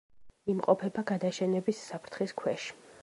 იმყოფება გადაშენების საფრთხის ქვეშ.